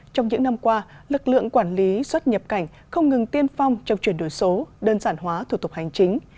trong những năm qua lực lượng quản lý xuất nhập cảnh không ngừng tiên phong trong chuyển đổi số đơn giản hóa thủ tục hành chính